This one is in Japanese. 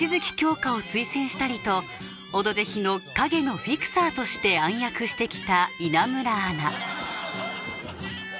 夏を推薦したりと「オドぜひ」の陰のフィクサーとして暗躍してきた稲村アナ